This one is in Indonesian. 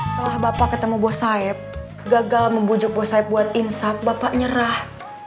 setelah bapak ketemu bos saeb gagal membujuk bos saeb buat insap bapak nyerah